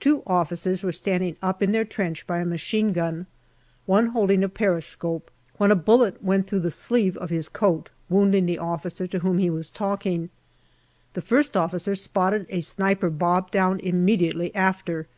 Two officers were standing up in their trench by a machine gun, one holding a periscope, when a bullet went through the sleeve of his coat, wounding the officer to whom he was talking. The first officer spotted a sniper bob down immediately after.